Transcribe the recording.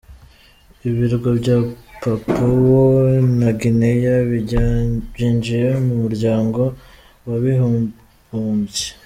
Ibirwa bya Papua New Guinea byinjiye mu muryango w’abibumbye.